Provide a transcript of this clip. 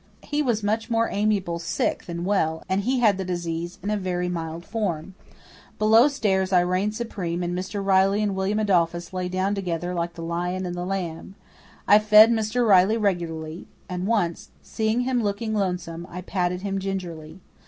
He was much more amiable sick than well, and he had the disease in a very mild form. Below stairs I reigned supreme and Mr. Riley and William Adolphus lay down together like the lion and the lamb. I fed Mr. Riley regularly, and once, seeing him looking lonesome, I patted him gingerly.